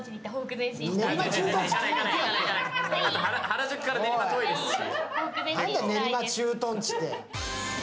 原宿から練馬遠いですし。